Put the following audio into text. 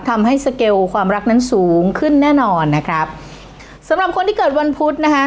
สเกลความรักนั้นสูงขึ้นแน่นอนนะครับสำหรับคนที่เกิดวันพุธนะคะ